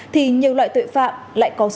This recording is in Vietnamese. thì nhiều loại tội phạm lại có xu hướng dĩ